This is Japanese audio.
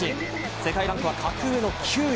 世界ランクは格上の９位。